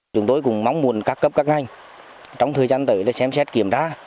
chúng tôi cũng mong muốn các cấp các ngành trong thời gian tới để xem xét kiểm tra